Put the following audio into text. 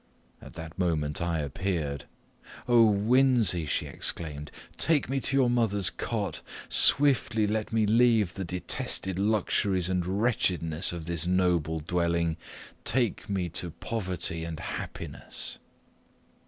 At that moment I appeared. "O, Winzy!" she exclaimed, "take me to your mother's cot; swiftly let me leave the detested luxuries and wretchedness of this noble dwelling take me to poverty and happiness."